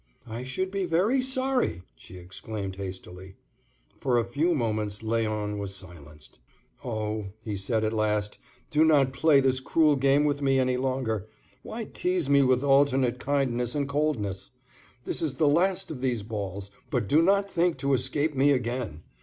"I should be very sorry!" she exclaimed hastily. For a few moments Léon was silenced. "Oh," he said at last, "do not play this cruel game with me any longer. Why tease me with alternate kindness and coldness? This is the last of these balls, but do not think to escape me again.